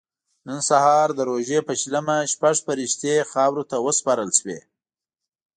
نن سهار د روژې په شلمه شپږ فرښتې خاورو ته وسپارل شوې.